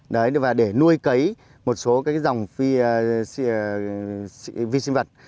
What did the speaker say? đấy và để nuôi cấy một số cái dòng phi vi sinh vật